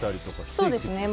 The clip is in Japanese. そうですね。